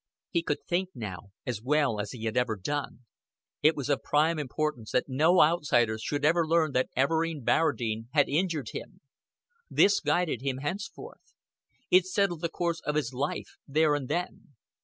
He could think now, as well as he had ever done. It was of prime importance that no outsiders should ever learn that Everard Barradine had injured him. This guided him henceforth. It settled the course of his life there and then.